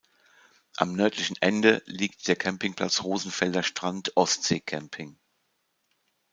Am nördlichen Ende liegt der Campingplatz „Rosenfelder Strand Ostsee Camping“.